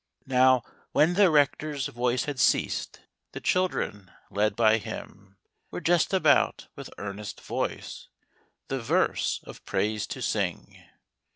Now, when the Rector's voice had ceased, The children, led by him, Were just about, with earnest voice, The verse of praise to sing.